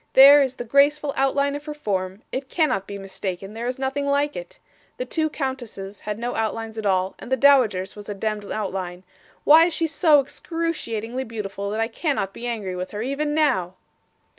There is the graceful outline of her form; it cannot be mistaken there is nothing like it. The two countesses had no outlines at all, and the dowager's was a demd outline. Why is she so excruciatingly beautiful that I cannot be angry with her, even now?